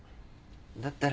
だったら。